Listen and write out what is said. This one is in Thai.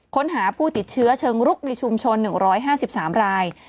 ค้นหาผู้ติดเชื้อเชิงรุกในชุมชน๑๕๓ราย